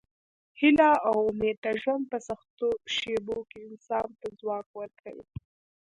هیله او امید د ژوند په سختو شېبو کې انسان ته ځواک ورکوي.